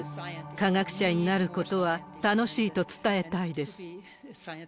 科学者になることは楽しいと伝えたいです。